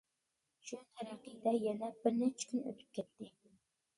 شۇ تەرىقىدە يەنە بىر نەچچە كۈن ئۆتۈپ كەتتى.